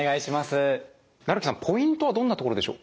木さんポイントはどんなところでしょう？